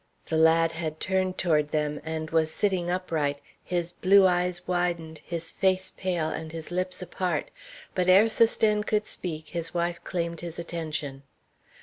The lad had turned toward them, and was sitting upright, his blue eyes widened, his face pale, and his lips apart; but ere Sosthène could speak his wife claimed his attention.